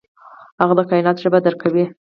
هغه د کائنات ژبه درک کوي.